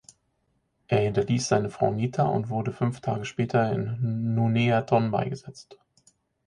Er hinterließ seine Frau Nita und wurde fünf Tage später in Nuneaton beigesetzt.